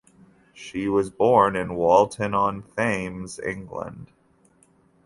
She was born in Walton-on-Thames, England.